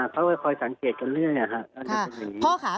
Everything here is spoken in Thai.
เพราะว่าคอยสังเกตกันด้วยนะครับ